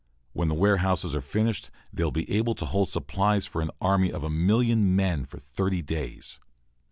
When the warehouses are finished they will be able to hold supplies for an army of a million men for thirty days.